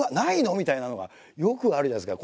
みたいなのがよくあるじゃないですか。